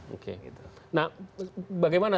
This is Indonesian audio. oke gitu nah bagaimana